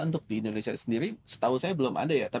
untuk di indonesia sendiri setahu saya belum ada ya